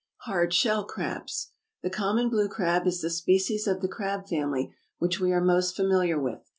=Hard shell Crabs.= The common blue crab is the species of the crab family which we are most familiar with.